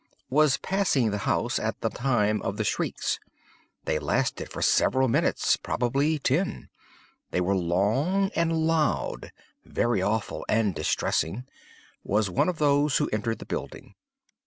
Was passing the house at the time of the shrieks. They lasted for several minutes—probably ten. They were long and loud—very awful and distressing. Was one of those who entered the building.